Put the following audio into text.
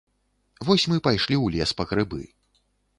Вось мы пайшлі ў лес па грыбы.